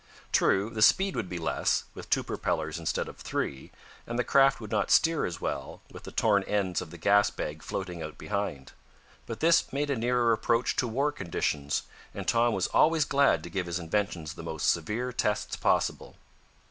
True, the speed would be less, with two propellers instead of three, and the craft would not steer as well, with the torn ends of the gas bag floating out behind. But this made a nearer approach to war conditions, and Tom was always glad to give his inventions the most severe tests possible.